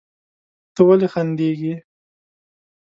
ته ولې خندېږې؟